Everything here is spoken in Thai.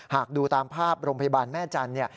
หากดูตามภาพโรงพยาบาลแม่จันทร์เนี่ย